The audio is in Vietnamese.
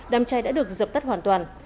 đám cháy đã được dập tắt hoàn toàn